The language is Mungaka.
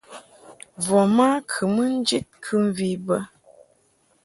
Voma kɨ mɨ ni njid kɨmvi bə.